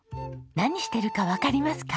何してるかわかりますか？